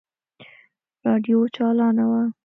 راډيو چالانه وه.